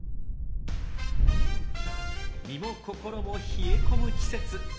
身も心も冷え込む季節。